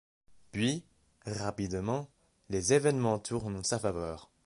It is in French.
Puis, rapidement, les événements tournent en sa faveur.